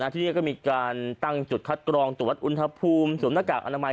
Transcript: ที่นี่ก็มีการตั้งจุดคัดกรองตรวจอุณหภูมิสวมหน้ากากอนามัย